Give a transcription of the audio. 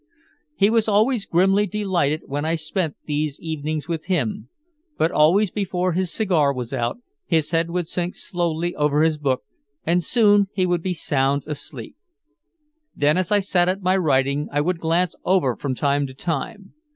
He was always grimly delighted when I spent these evenings with him, but always before his cigar was out his head would sink slowly over his book and soon he would be sound asleep. Then as I sat at my writing I would glance over from time to time.